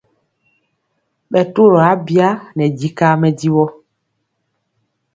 Ɓɛ turɔ abya nɛ dikaa mɛdivɔ.